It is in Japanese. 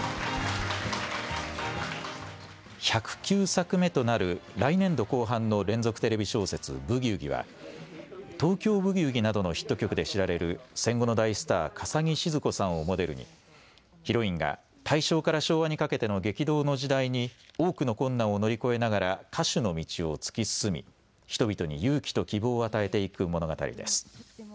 １０９作目となる来年度後半の連続テレビ小説、ブギウギは東京ブギウギなどのヒット曲で知られる戦後の大スター、笠置シヅ子さんをモデルにヒロインが大正から昭和にかけての激動の時代に多くの困難を乗り越えながら歌手の道を突き進み、人々に勇気と希望を与えていく物語です。